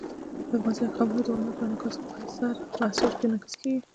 افغانستان کې قومونه د هنر په اثار کې منعکس کېږي.